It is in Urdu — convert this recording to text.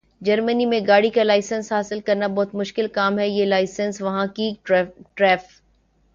۔جرمنی میں گاڑی کا لائسنس حاصل کرنا بہت مشکل کام ہے۔ یہ لائسنس وہاں کی ٹریف